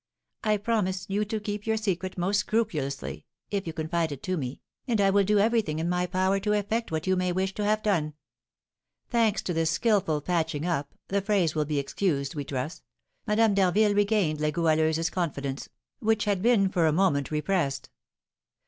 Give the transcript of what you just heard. I promise you to keep your secret most scrupulously, if you confide it to me, and I will do everything in my power to effect what you may wish to have done." Thanks to this skilful patching up (the phrase will be excused, we trust), Madame d'Harville regained La Goualeuse's confidence, which had been for a moment repressed.